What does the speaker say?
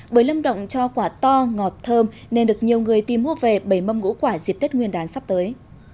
bưởi lâm động cho quả to ngọt thơm nên được nhiều người tìm hút về bày mâm ngũ quả dịp tết nguyên đán sắp tới